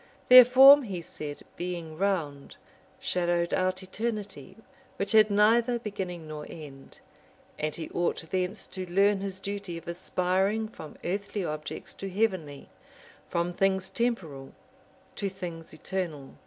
Their form, he said, being round, shadowed out eternity, which had neither beginning nor end; and he ought thence to learn his duty of aspiring from earthly objects to heavenly, from things temporal to tilings eternal.